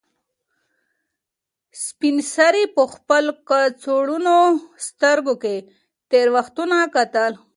سپین سرې په خپل کڅوړنو سترګو کې تېر وختونه کتل.